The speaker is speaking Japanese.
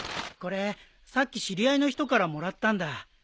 これさっき知り合いの人からもらったんだ。